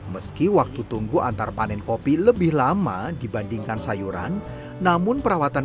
meski waktu tunggu antar panen kopi lebih lama dibandingkan sayuran namun perawatan